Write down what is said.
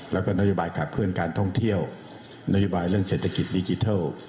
แล้วก็นโยบายขับเคลื่อนการท่องเที่ยวนโยบายเรื่องเศรษฐกิจดิจิทัล